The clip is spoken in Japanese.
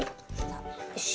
よし。